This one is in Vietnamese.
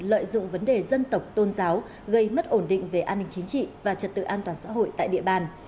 lợi dụng vấn đề dân tộc tôn giáo gây mất ổn định về an ninh chính trị và trật tự an toàn xã hội tại địa bàn